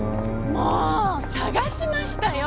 もう捜しましたよ！